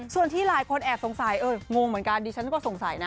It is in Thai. ส่วนที่หลายคนแอบสงสัยงงเหมือนกันดิฉันก็สงสัยนะ